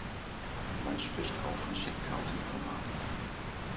Man spricht auch vom Scheckkartenformat.